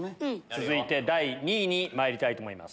続いて第２位にまいりたいと思います。